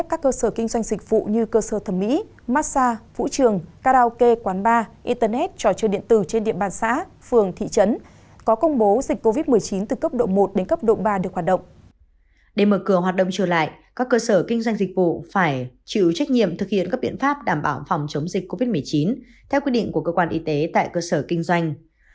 để mở cửa hoạt động trở lại các cơ sở kinh doanh dịch vụ phải chịu trách nhiệm thực hiện các biện pháp đảm bảo phòng chống dịch covid một mươi chín theo quy định của cơ quan y tế tại cơ sở kinh doanh